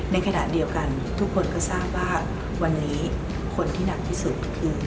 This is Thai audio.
ในขณะเดียวกันทุกคนก็ทราบว่าวันนี้คนที่หนักที่สุดคือ